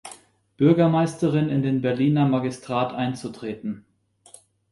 Bürgermeisterin in den Berliner Magistrat einzutreten.